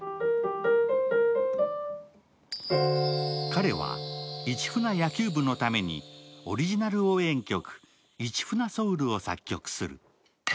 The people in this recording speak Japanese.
彼は、市船・野球部のためにオリジナル応援曲「市船ｓｏｕｌ」を作曲する。